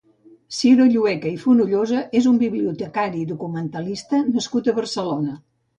Ciro Llueca i Fonollosa és un bibliotecari i documentalista nascut a Barcelona.